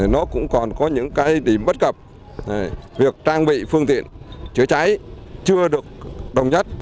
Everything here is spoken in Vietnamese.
nó cũng còn có những cái tìm bất cập việc trang bị phương tiện chữa cháy chưa được đồng nhất